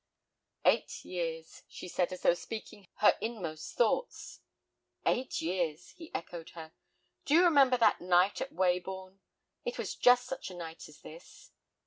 "Eight years," she said, as though speaking her inmost thoughts. "Eight years!" and he echoed her. "Do you remember that night at Weybourne? It was just such a night as this."